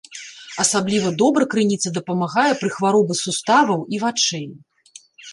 Асабліва добра крыніца дапамагае пры хваробы суставаў і вачэй.